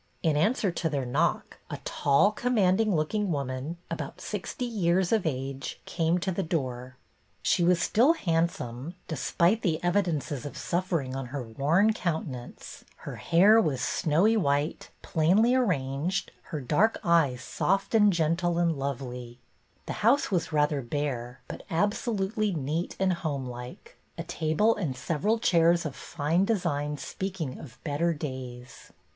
In answer to their knock a tall, command ing looking woman, about sixty years of age, came to the door. She was still handsome, despite the evidences of suffering on her worn countenance, her hair was snowy white, plainly arranged, her dark eyes soft and gentle return of the mariner 225 and lovely. The house was rather bare, but absolutely neat and homelike, a table and several chairs of fine design speaking of better days.